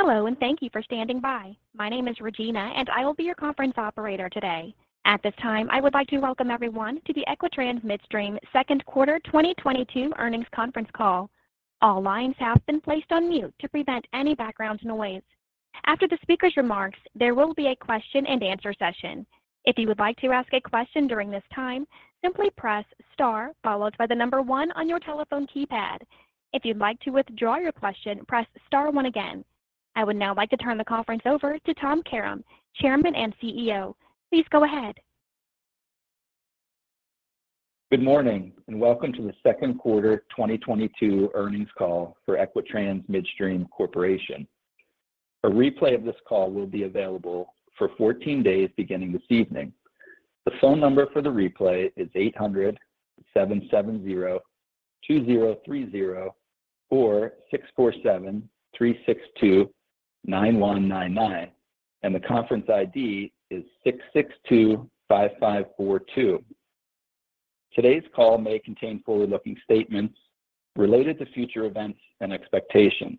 Hello, and thank you for standing by. My name is Regina, and I will be your conference operator today. At this time, I would like to welcome everyone to the Equitrans Midstream second quarter 2022 earnings conference call. All lines have been placed on mute to prevent any background noise. After the speaker's remarks, there will be a question-and-answer session. If you would like to ask a question during this time, simply press star followed by the number one on your telephone keypad. If you'd like to withdraw your question, press star one again. I would now like to turn the conference over to Tom Karam, Chairman and CEO. Please go ahead. Good morning, and welcome to the second quarter 2022 earnings call for Equitrans Midstream Corporation. A replay of this call will be available for 14 days beginning this evening. The phone number for the replay is 800-770-2030-464-736-2919, and the conference ID is 6625542. Today's call may contain forward-looking statements related to future events and expectations.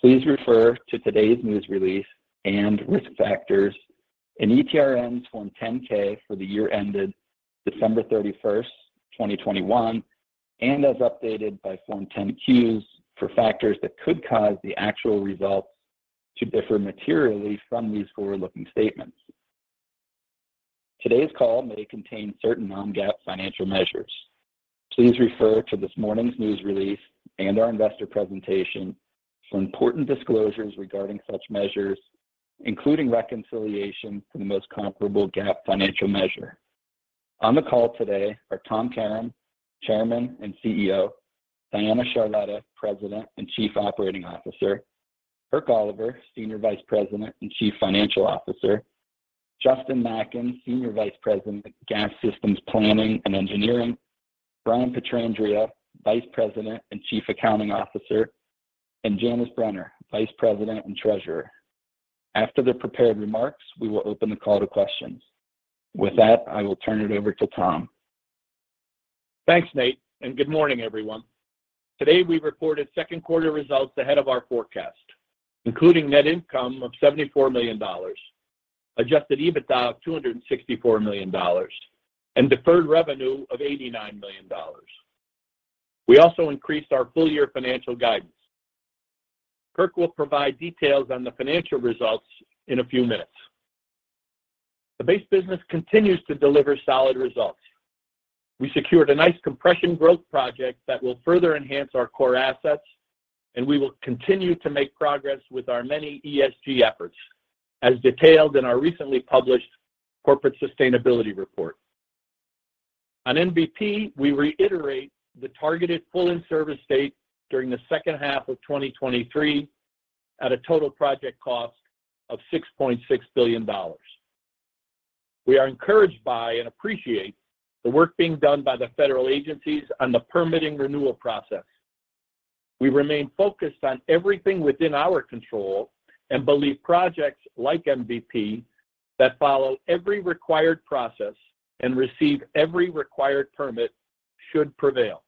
Please refer to today's news release and risk factors in ETRN Form 10-K for the year ended December 31, 2021, and as updated by Form 10-Qs for factors that could cause the actual results to differ materially from these forward-looking statements. Today's call may contain certain non-GAAP financial measures. Please refer to this morning's news release and our investor presentation for important disclosures regarding such measures, including reconciliation for the most comparable GAAP financial measure. On the call today are Tom Karam, Chairman and CEO, Diana Charletta, President and Chief Operating Officer, Kirk Oliver, Senior Vice President and Chief Financial Officer, Justin Macken, Senior Vice President, Gas Systems Planning and Engineering, Brian Pietrandrea, Vice President and Chief Accounting Officer, and Janice Brenner, Vice President and Treasurer. After the prepared remarks, we will open the call to questions. With that, I will turn it over to Tom. Thanks, Nate, and good morning, everyone. Today, we reported second quarter results ahead of our forecast, including net income of $74 million, adjusted EBITDA of $264 million, and deferred revenue of $89 million. We also increased our full-year financial guidance. Kirk will provide details on the financial results in a few minutes. The base business continues to deliver solid results. We secured a nice compression growth project that will further enhance our core assets, and we will continue to make progress with our many ESG efforts, as detailed in our recently published corporate sustainability report. On MVP, we reiterate the targeted full in-service date during the second half of 2023 at a total project cost of $6.6 billion. We are encouraged by and appreciate the work being done by the federal agencies on the permitting renewal process. We remain focused on everything within our control and believe projects like MVP that follow every required process and receive every required permit should prevail.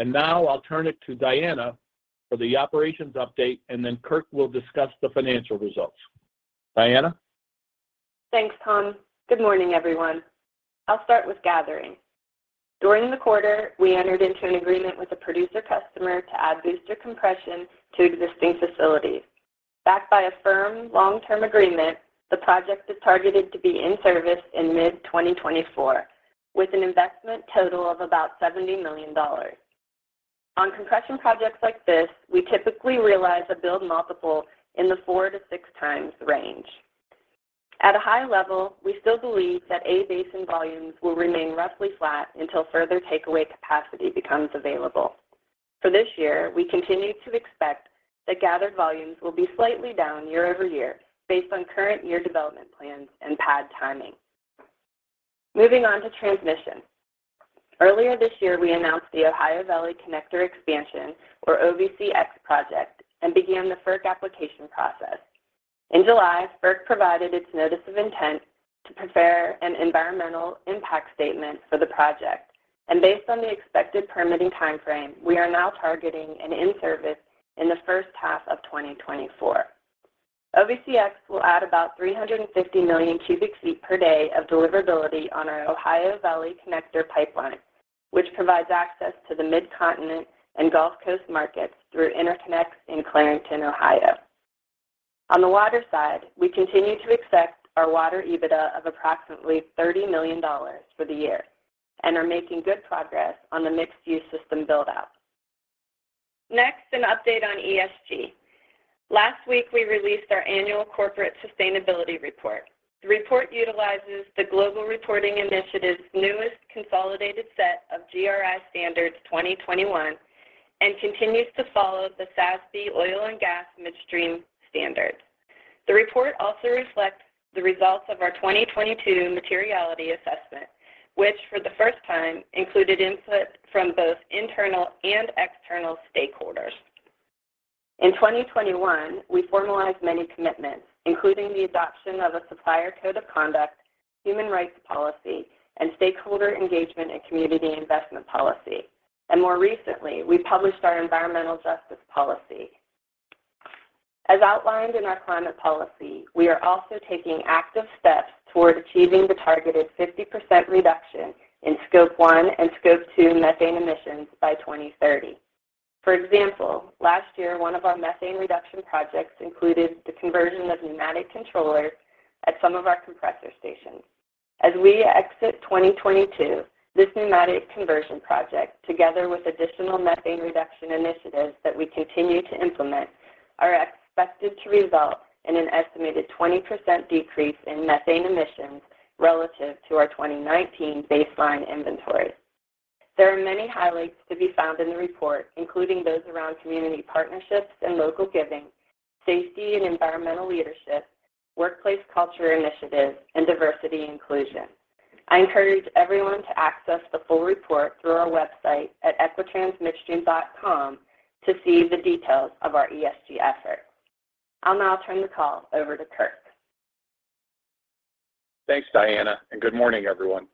Now I'll turn it to Diana for the operations update, and then Kirk will discuss the financial results. Diana? Thanks, Tom. Good morning, everyone. I'll start with gathering. During the quarter, we entered into an agreement with a producer customer to add booster compression to existing facilities. Backed by a firm long-term agreement, the project is targeted to be in service in mid-2024, with an investment total of about $70 million. On compression projects like this, we typically realize a build multiple in the 4-6x range. At a high level, we still believe that A basin volumes will remain roughly flat until further takeaway capacity becomes available. For this year, we continue to expect that gathered volumes will be slightly down year-over-year based on current year development plans and pad timing. Moving on to transmission. Earlier this year, we announced the Ohio Valley Connector Expansion, or OVCX project, and began the FERC application process. In July, FERC provided its notice of intent to prepare an environmental impact statement for the project. Based on the expected permitting timeframe, we are now targeting an in-service in the first half of 2024. OVCX will add about 350 million cubic feet per day of deliverability on our Ohio Valley Connector pipeline, which provides access to the Midcontinent and Gulf Coast markets through interconnects in Clarington, Ohio. On the water side, we continue to expect our water EBITDA of approximately $30 million for the year and are making good progress on the mixed-use system build-out. Next, an update on ESG. Last week, we released our annual corporate sustainability report. The report utilizes the Global Reporting Initiative's newest consolidated set of GRI Standards 2021 and continues to follow the SASB oil and gas midstream standards. The report also reflects the results of our 2022 materiality assessment, which for the first time included input from both internal and external stakeholders. In 2021, we formalized many commitments, including the adoption of a supplier code of conduct, human rights policy and stakeholder engagement and community investment policy. More recently, we published our environmental justice policy. As outlined in our climate policy, we are also taking active steps toward achieving the targeted 50% reduction in Scope 1 and Scope 2 methane emissions by 2030. For example, last year, one of our methane reduction projects included the conversion of pneumatic controllers at some of our compressor stations. As we exit 2022, this pneumatic conversion project, together with additional methane reduction initiatives that we continue to implement, are expected to result in an estimated 20% decrease in methane emissions relative to our 2019 baseline inventories. There are many highlights to be found in the report, including those around community partnerships and local giving, safety and environmental leadership, workplace culture initiatives, and Diversity and Inclusion. I encourage everyone to access the full report through our website at equitransmidstream.com to see the details of our ESG efforts. I'll now turn the call over to Kirk. Thanks, Diana, and good morning, everyone.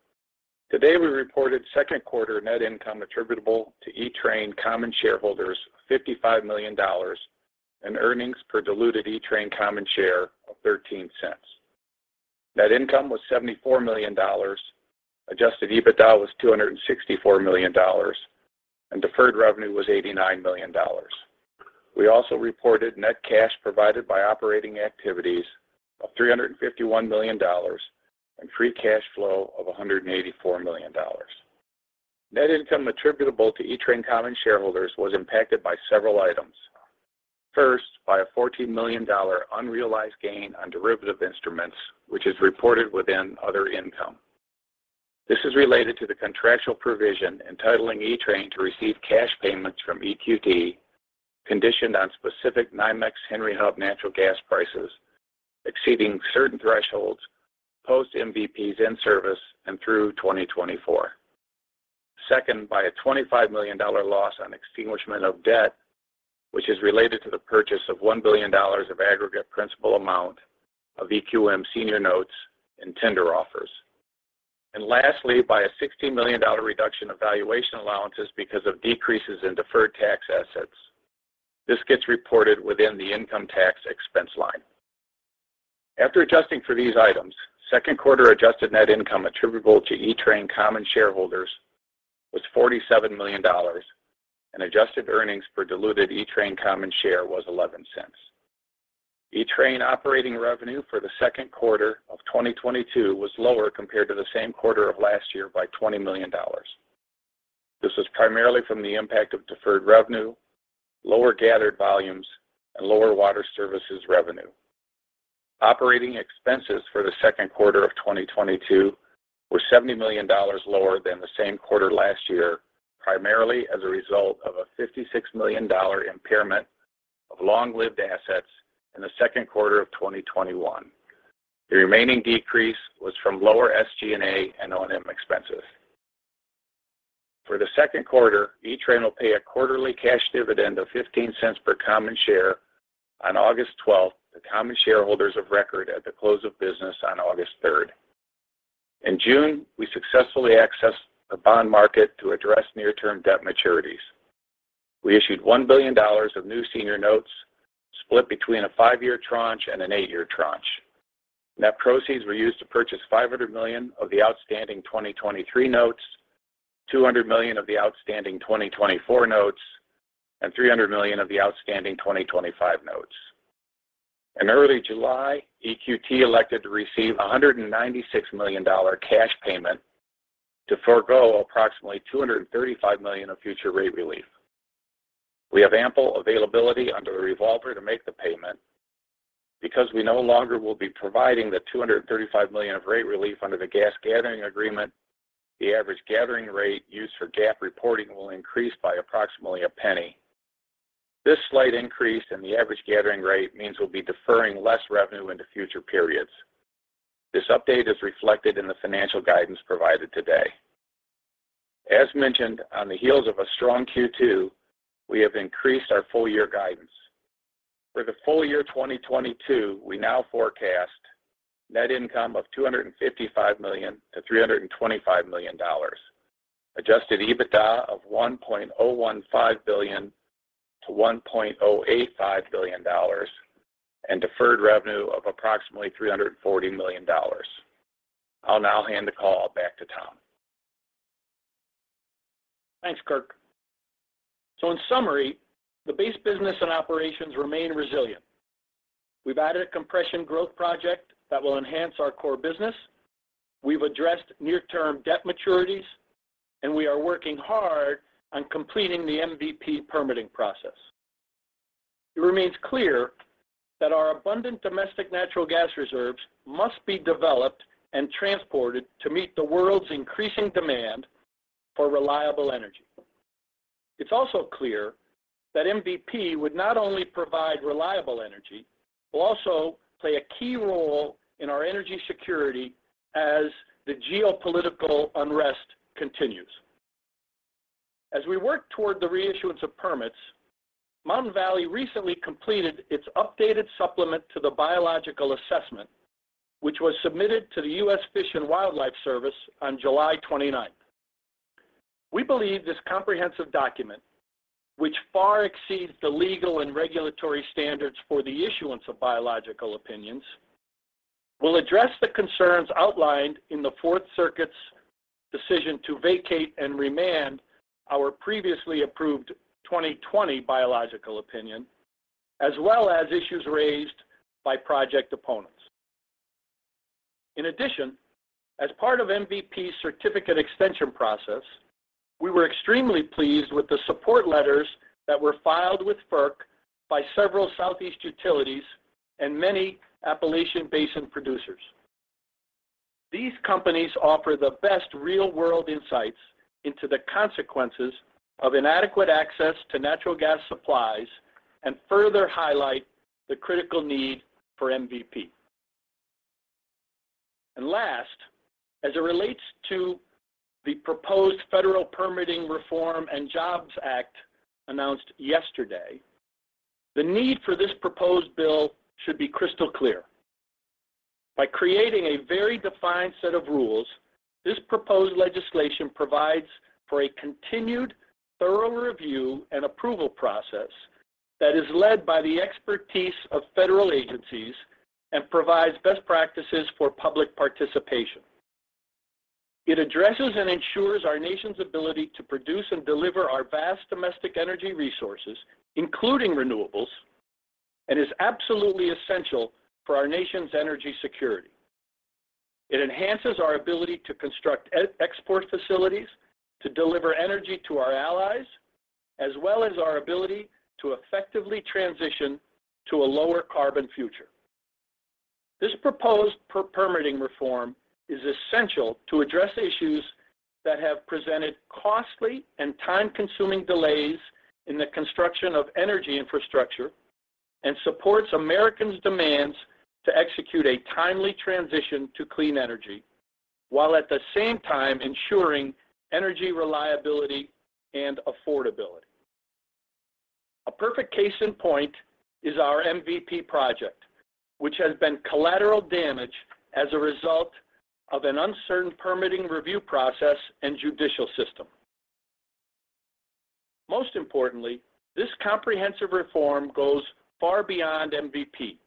Today, we reported second-quarter net income attributable to ETRN common shareholders $55 million and earnings per diluted ETRN common share of $0.13. Net income was $74 million. Adjusted EBITDA was $264 million, and deferred revenue was $89 million. We also reported net cash provided by operating activities of $351 million and free cash flow of $184 million. Net income attributable to ETRN common shareholders was impacted by several items. First, by a $14 million unrealized gain on derivative instruments, which is reported within other income. This is related to the contractual provision entitling ETRN to receive cash payments from EQT, conditioned on specific NYMEX Henry Hub natural gas prices exceeding certain thresholds post-MVP's in service and through 2024. Second, by a $25 million loss on extinguishment of debt, which is related to the purchase of $1 billion of aggregate principal amount of EQM senior notes and tender offers. Lastly, by a $60 million reduction of valuation allowances because of decreases in deferred tax assets. This gets reported within the income tax expense line. After adjusting for these items, second quarter adjusted net income attributable to ETRN common shareholders was $47 million, and adjusted earnings per diluted ETRN common share was $0.11. ETRN operating revenue for the second quarter of 2022 was lower compared to the same quarter of last year by $20 million. This is primarily from the impact of deferred revenue, lower gathered volumes, and lower water services revenue. Operating expenses for the second quarter of 2022 were $70 million lower than the same quarter last year, primarily as a result of a $56 million impairment of long-lived assets in the second quarter of 2021. The remaining decrease was from lower SG&A and O&M expenses. For the second quarter, ETRN will pay a quarterly cash dividend of $0.15 per common share on August 12 to common shareholders of record at the close of business on August 3. In June, we successfully accessed the bond market to address near-term debt maturities. We issued $1 billion of new senior notes split between a 5-year tranche and an 8-year tranche. Net proceeds were used to purchase $500 million of the outstanding 2023 notes, $200 million of the outstanding 2024 notes, and $300 million of the outstanding 2025 notes. In early July, EQT elected to receive $196 million cash payment to forego approximately $235 million of future rate relief. We have ample availability under the revolver to make the payment because we no longer will be providing the $235 million of rate relief under the Gas Gathering Agreement. The average gathering rate used for GAAP reporting will increase by approximately $0.01. This slight increase in the average gathering rate means we'll be deferring less revenue into future periods. This update is reflected in the financial guidance provided today. As mentioned, on the heels of a strong Q2, we have increased our full-year guidance. For the full year 2022, we now forecast net income of $255 million-$325 million, Adjusted EBITDA of $1.015 billion-$1.085 billion, and deferred revenue of approximately $340 million. I'll now hand the call back to Tom. Thanks, Kirk. In summary, the base business and operations remain resilient. We've added a compression growth project that will enhance our core business. We've addressed near-term debt maturities, and we are working hard on completing the MVP permitting process. It remains clear that our abundant domestic natural gas reserves must be developed and transported to meet the world's increasing demand for reliable energy. It's also clear that MVP would not only provide reliable energy, but also play a key role in our energy security as the geopolitical unrest continues. As we work toward the reissuance of permits, Mountain Valley Pipeline recently completed its updated supplement to the biological assessment, which was submitted to the U.S. Fish and Wildlife Service on July 29th. We believe this comprehensive document, which far exceeds the legal and regulatory standards for the issuance of biological opinions, will address the concerns outlined in the Fourth Circuit's decision to vacate and remand our previously approved 2020 biological opinion, as well as issues raised by project opponents. In addition, as part of MVP's certificate extension process, we were extremely pleased with the support letters that were filed with FERC by several Southeast utilities and many Appalachian Basin producers. These companies offer the best real-world insights into the consequences of inadequate access to natural gas supplies and further highlight the critical need for MVP. Last, as it relates to the proposed Federal Permitting Reform and Jobs Act announced yesterday, the need for this proposed bill should be crystal clear. By creating a very defined set of rules, this proposed legislation provides for a continued thorough review and approval process that is led by the expertise of federal agencies and provides best practices for public participation. It addresses and ensures our nation's ability to produce and deliver our vast domestic energy resources, including renewables, and is absolutely essential for our nation's energy security. It enhances our ability to construct export facilities to deliver energy to our allies, as well as our ability to effectively transition to a lower carbon future. This proposed permitting reform is essential to address issues that have presented costly and time-consuming delays in the construction of energy infrastructure and supports Americans' demands to execute a timely transition to clean energy, while at the same time ensuring energy reliability and affordability. A perfect case in point is our MVP project, which has been collateral damage as a result of an uncertain permitting review process and judicial system. Most importantly, this comprehensive reform goes far beyond MVP.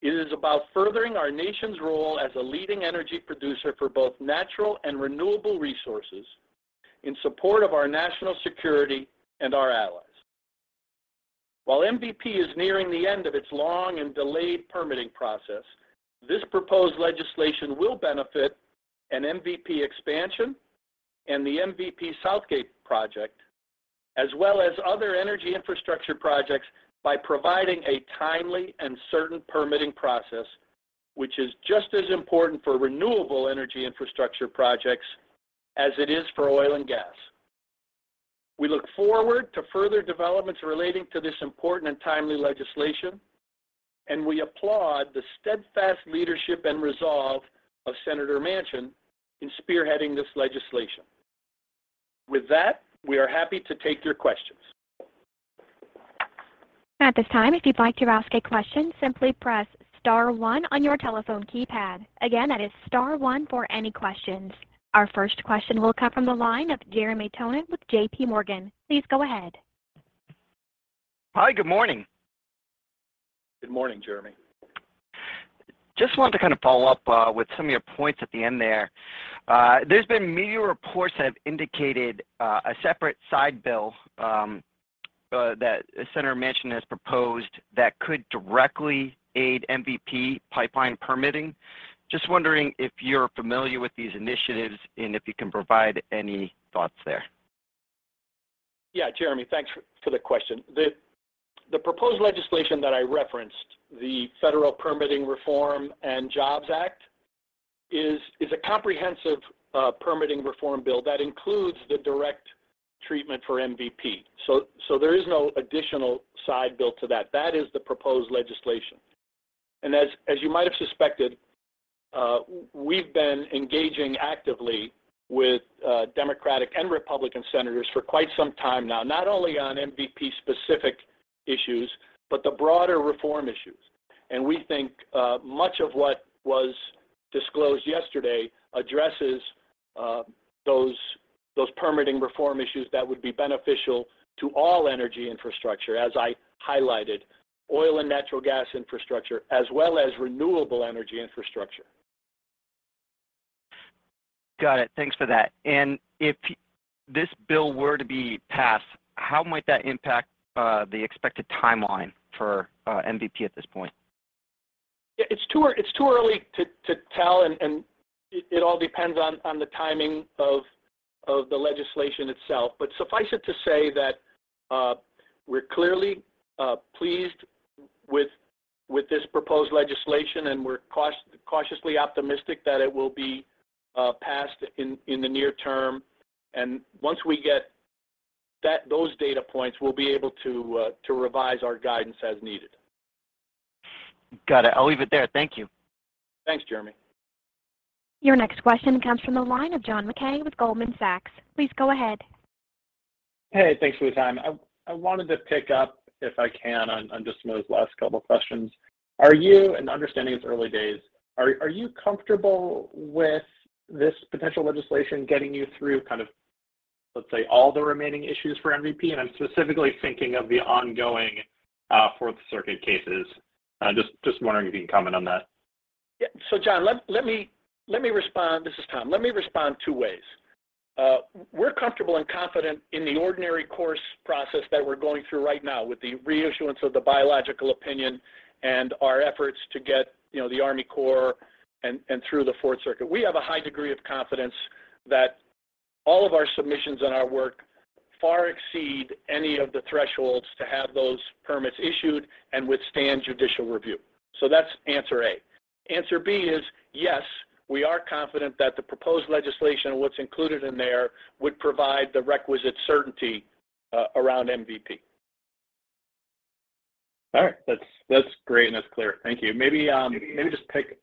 It is about furthering our nation's role as a leading energy producer for both natural and renewable resources in support of our national security and our allies. While MVP is nearing the end of its long and delayed permitting process, this proposed legislation will benefit an MVP expansion and the MVP Southgate project, as well as other energy infrastructure projects by providing a timely and certain permitting process, which is just as important for renewable energy infrastructure projects as it is for oil and gas. We look forward to further developments relating to this important and timely legislation, and we applaud the steadfast leadership and resolve of Senator Manchin in spearheading this legislation. With that, we are happy to take your questions. At this time, if you'd like to ask a question, simply press star one on your telephone keypad. Again, that is star one for any questions. Our first question will come from the line of Jeremy Tonet with J.P. Morgan. Please go ahead. Hi. Good morning. Good morning, Jeremy. Just wanted to kinda follow up with some of your points at the end there. There's been media reports that have indicated a separate side bill that Senator Manchin has proposed that could directly aid MVP pipeline permitting. Just wondering if you're familiar with these initiatives and if you can provide any thoughts there. Yeah, Jeremy, thanks for the question. The proposed legislation that I referenced, the Federal Permitting Reform and Jobs Act, is a comprehensive permitting reform bill that includes the direct treatment for MVP. There is no additional side bill to that. That is the proposed legislation. As you might have suspected, we've been engaging actively with Democratic and Republican senators for quite some time now, not only on MVP-specific issues, but the broader reform issues. We think much of what was disclosed yesterday addresses those permitting reform issues that would be beneficial to all energy infrastructure, as I highlighted, oil and natural gas infrastructure, as well as renewable energy infrastructure. Got it. Thanks for that. If this bill were to be passed, how might that impact the expected timeline for MVP at this point? Yeah, it's too early to tell, and it all depends on the timing of the legislation itself. Suffice it to say that, we're clearly pleased with this proposed legislation, and we're cautiously optimistic that it will be passed in the near term. Once we get those data points, we'll be able to revise our guidance as needed. Got it. I'll leave it there. Thank you. Thanks, Jeremy. Your next question comes from the line of John Mackay with Goldman Sachs. Please go ahead. Hey, thanks for the time. I wanted to pick up, if I can, on just some of those last couple questions. Understanding it's early days, are you comfortable with this potential legislation getting you through kind of, let's say, all the remaining issues for MVP? I'm specifically thinking of the ongoing Fourth Circuit cases. I'm just wondering if you can comment on that. Yeah. John, let me respond. This is Tom. Let me respond two ways. We're comfortable and confident in the ordinary course process that we're going through right now with the reissuance of the biological opinion and our efforts to get the Army Corps and through the Fourth Circuit. We have a high degree of confidence that all of our submissions and our work far exceed any of the thresholds to have those permits issued and withstand judicial review. That's answer A. Answer B is, yes, we are confident that the proposed legislation and what's included in there would provide the requisite certainty around MVP. All right. That's great, and that's clear. Thank you. Maybe just pick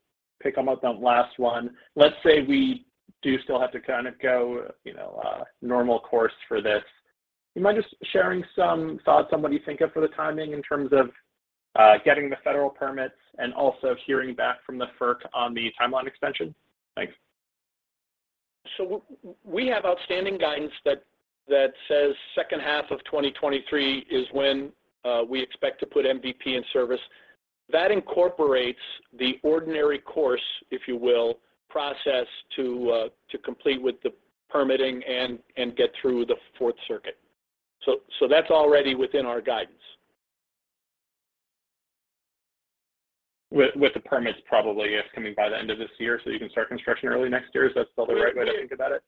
up on the last one. Let's say we do still have to kind of go, you know, normal course for this. You mind just sharing some thoughts on what you think of for the timing in terms of getting the federal permits and also hearing back from the FERC on the timeline extension? Thanks. We have outstanding guidance that says second half of 2023 is when we expect to put MVP in service. That incorporates the ordinary course, if you will, process to complete with the permitting and get through the Fourth Circuit. That's already within our guidance. With the permits probably if coming by the end of this year, so you can start construction early next year. Is that still the right way to think about it?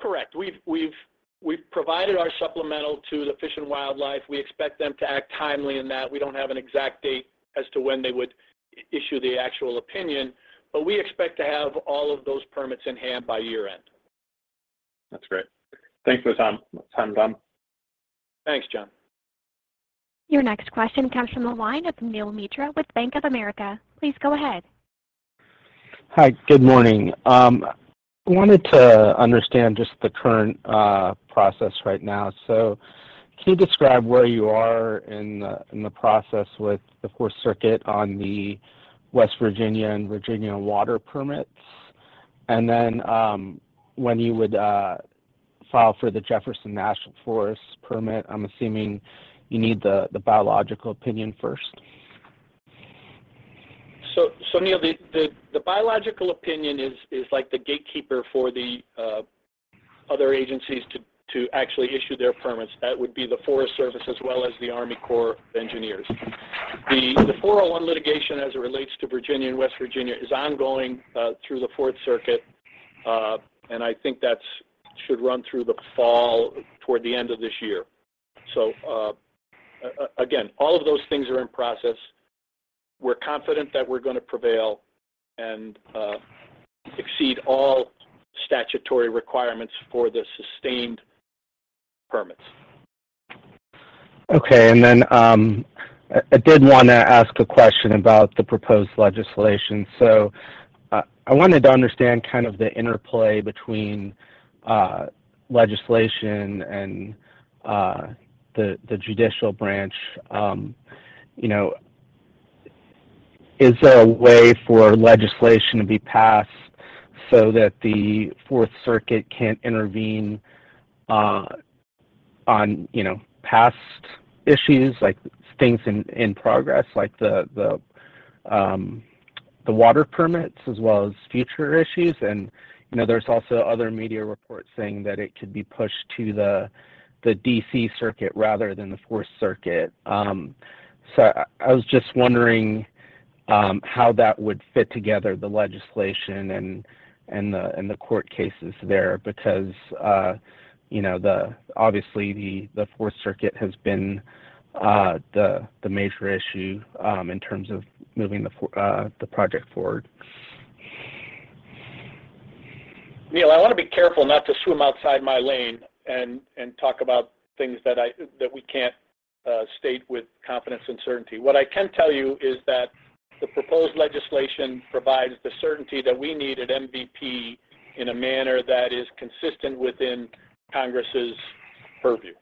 Correct. We've provided our supplemental to the Fish and Wildlife. We expect them to act timely in that. We don't have an exact date as to when they would issue the actual opinion, but we expect to have all of those permits in hand by year-end. That's great. Thanks for the time, Tom. Thanks, John. Your next question comes from the line of Neil Mehta with Bank of America. Please go ahead. Hi, good morning. I wanted to understand just the current process right now. Can you describe where you are in the process with the Fourth Circuit on the West Virginia and Virginia water permits? When you would file for the Jefferson National Forest permit, I'm assuming you need the biological opinion first. Neil, the biological opinion is like the gatekeeper for the other agencies to actually issue their permits. That would be the Forest Service as well as the Army Corps of Engineers. The 401 litigation as it relates to Virginia and West Virginia is ongoing through the Fourth Circuit, and I think that should run through the fall toward the end of this year. Again, all of those things are in process. We're confident that we're gonna prevail and exceed all statutory requirements for the sustained permits. Okay. I did wanna ask a question about the proposed legislation. I wanted to understand kind of the interplay between legislation and the judicial branch. You know, is there a way for legislation to be passed so that the Fourth Circuit can't intervene on you know, past issues like things in progress, like the water permits as well as future issues? You know, there's also other media reports saying that it could be pushed to the DC Circuit rather than the Fourth Circuit. I was just wondering how that would fit together, the legislation and the court cases there because, you know, obviously the Fourth Circuit has been the major issue in terms of moving the project forward. Neil, I wanna be careful not to swim outside my lane and talk about things that we can't state with confidence and certainty. What I can tell you is that the proposed legislation provides the certainty that we need at MVP in a manner that is consistent within Congress's purview.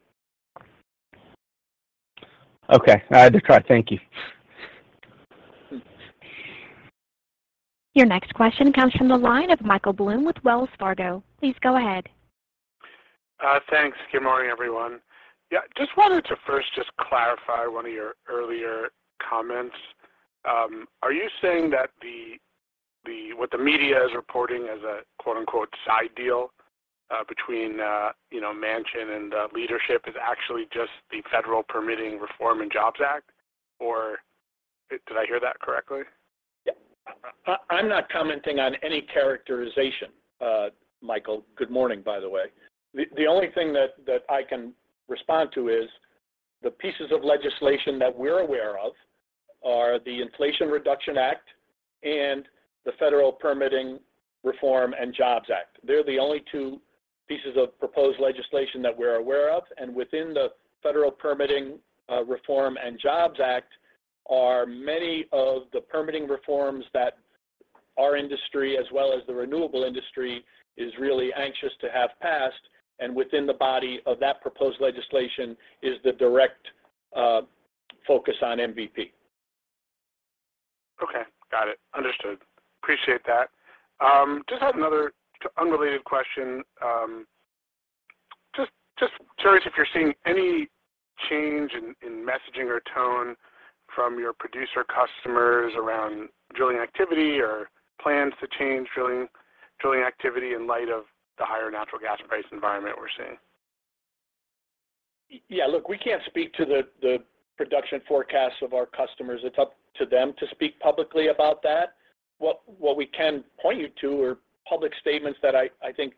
Okay. I had to try. Thank you. Your next question comes from the line of Michael Blum with Wells Fargo. Please go ahead. Thanks. Good morning, everyone. Yeah, just wanted to first just clarify one of your earlier comments. Are you saying that what the media is reporting as a quote-unquote "side deal," between Manchin and the leadership is actually just the Federal Permitting Reform and Jobs Act, or did I hear that correctly? Yeah. I'm not commenting on any characterization, Michael. Good morning, by the way. The only thing that I can respond to is the pieces of legislation that we're aware of are the Inflation Reduction Act and the Federal Permitting Reform and Jobs Act. They're the only two pieces of proposed legislation that we're aware of, and within the Federal Permitting Reform and Jobs Act are many of the permitting reforms that our industry, as well as the renewable industry, is really anxious to have passed. Within the body of that proposed legislation is the direct focus on MVP. Okay. Got it. Understood. Appreciate that. Just had another unrelated question. Just curious if you're seeing any change in messaging or tone from your producer customers around drilling activity or plans to change drilling activity in light of the higher natural gas price environment we're seeing. Yeah. Look, we can't speak to the production forecasts of our customers. It's up to them to speak publicly about that. What we can point you to are public statements that I think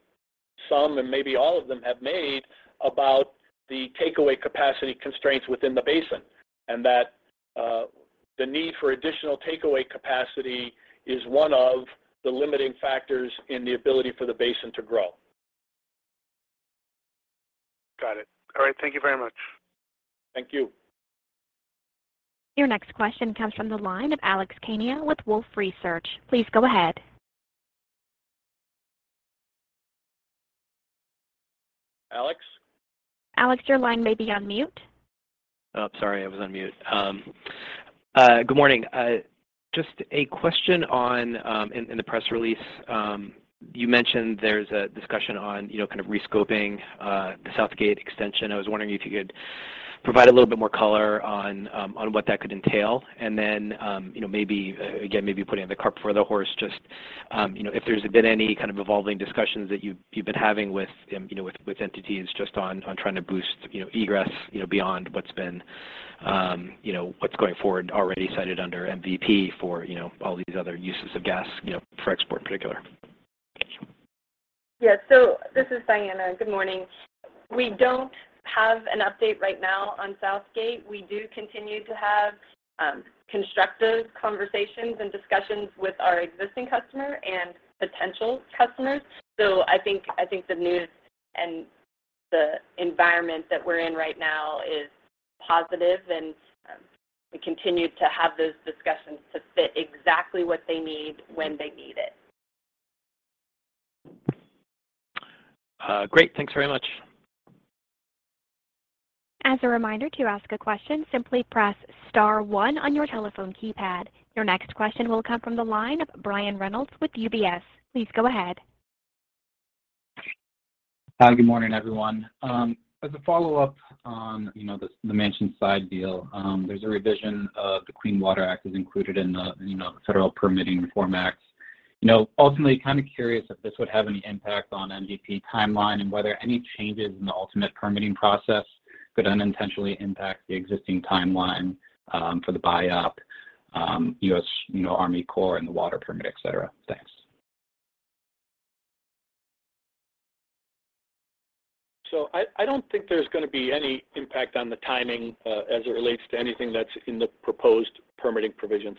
some and maybe all of them have made about the takeaway capacity constraints within the basin, and that the need for additional takeaway capacity is one of the limiting factors in the ability for the basin to grow. Got it. All right. Thank you very much. Thank you. Your next question comes from the line of Alex Kania with Wolfe Research. Please go ahead. Alex? Alex, your line may be on mute. Oh, sorry. I was on mute. Good morning. Just a question on, in the press release, you mentioned there's a discussion on, you know, kind of rescoping, the Southgate extension. I was wondering if you could provide a little bit more color on what that could entail. You know, maybe, again, maybe putting the cart before the horse just, you know, if there's been any kind of evolving discussions that you've been having with, you know, with entities just on trying to boost, you know, egress, you know, beyond what's been, you know, what's going forward already cited under MVP for, you know, all these other uses of gas, you know, for export in particular. Yeah. This is Diana. Good morning. We don't have an update right now on Southgate. We do continue to have constructive conversations and discussions with our existing customer and potential customers. I think the news and the environment that we're in right now is positive, and we continue to have those discussions to fit exactly what they need when they need it. Great. Thanks very much. As a reminder, to ask a question, simply press star one on your telephone keypad. Your next question will come from the line of Brian Reynolds with UBS. Please go ahead. Hi. Good morning, everyone. As a follow-up on, you know, the Manchin side deal, there's a revision of the Clean Water Act included in the, you know, Federal Permitting Reform Act. You know, ultimately kind of curious if this would have any impact on MVP timeline and whether any changes in the ultimate permitting process could unintentionally impact the existing timeline, for the 401, U.S. Army Corps and the water permit, et cetera. Thanks. I don't think there's gonna be any impact on the timing as it relates to anything that's in the proposed permitting provisions.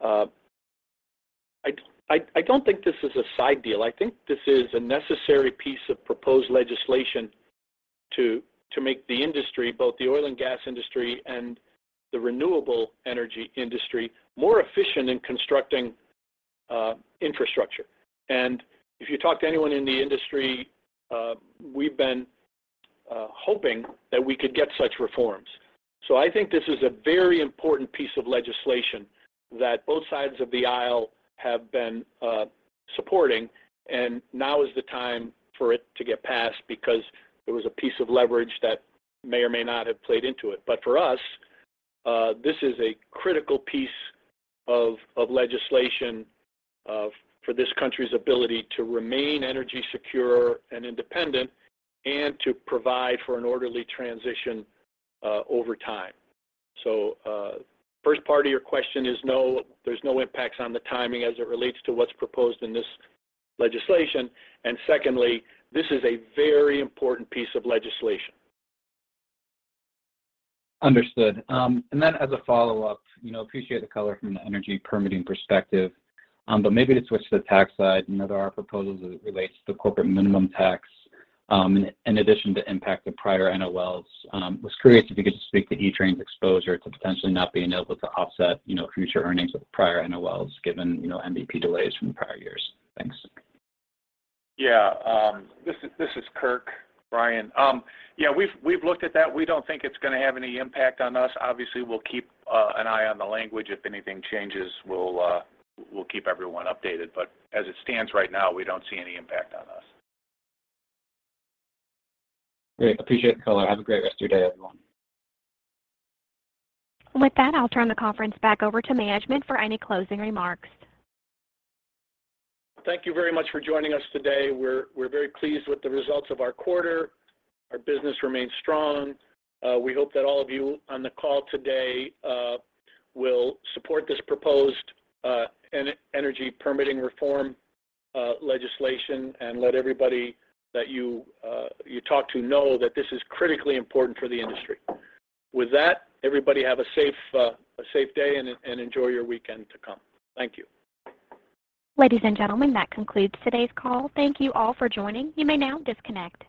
I don't think this is a side deal. I think this is a necessary piece of proposed legislation to make the industry, both the oil and gas industry and the renewable energy industry, more efficient in constructing infrastructure. If you talk to anyone in the industry, we've been hoping that we could get such reforms. I think this is a very important piece of legislation that both sides of the aisle have been supporting, and now is the time for it to get passed because there was a piece of leverage that may or may not have played into it. For us, this is a critical piece of legislation for this country's ability to remain energy secure and independent and to provide for an orderly transition over time. First part of your question is no, there's no impacts on the timing as it relates to what's proposed in this legislation. Secondly, this is a very important piece of legislation. Understood. As a follow-up, you know, appreciate the color from the energy permitting perspective, but maybe to switch to the tax side. I know there are proposals as it relates to the corporate minimum tax, in addition to impact of prior NOLs. Was curious if you could just speak to Equitrans's exposure to potentially not being able to offset, you know, future earnings with prior NOLs given, you know, MVP delays from prior years. Thanks. Yeah. This is Kirk. Brian, we've looked at that. We don't think it's gonna have any impact on us. Obviously, we'll keep an eye on the language. If anything changes, we'll keep everyone updated. As it stands right now, we don't see any impact on us. Great. Appreciate the color. Have a great rest of your day, everyone. With that, I'll turn the conference back over to management for any closing remarks. Thank you very much for joining us today. We're very pleased with the results of our quarter. Our business remains strong. We hope that all of you on the call today will support this proposed energy permitting reform legislation and let everybody that you talk to know that this is critically important for the industry. With that, everybody have a safe day and enjoy your weekend to come. Thank you. Ladies and gentlemen, that concludes today's call. Thank you all for joining. You may now disconnect.